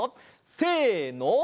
せの。